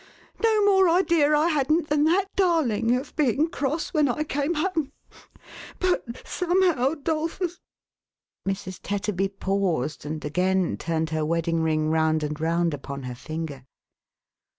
— No more idea I hadn't than that darling, of being cross when I came home ; but somehow, 'Dolphus " Mrs. Tetterby paused, and again turned her wedding ring round and round upon her finger.